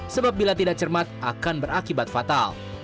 sebab bila tidak cermat akan berakibat fatal